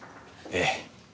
ええ。